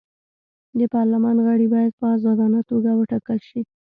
د پارلمان غړي باید په ازادانه توګه وټاکل شي.